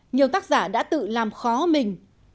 nhiều tác giả đã tự làm khó mình